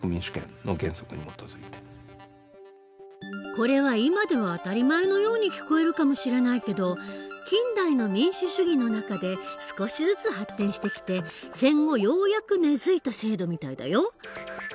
これは今では当たり前のように聞こえるかもしれないけど近代の民主主義の中で少しずつ発展してきて戦後ようやく根づいた制度みたいだよ。